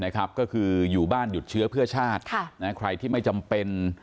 ก็คืออยู่บ้านหยุดเชื้อเพื่อชาติใครที่ไม่จำเป็น